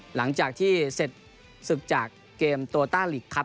หลังจากที่เสร็จศึกจากเกมโตต้าลีกครับ